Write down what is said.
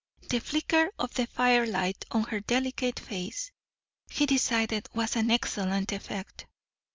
The flicker of the firelight on her delicate face, he decided, was an excellent effect.